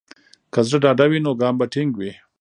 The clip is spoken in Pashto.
که زړه ډاډه وي، نو ګام به ټینګ وي.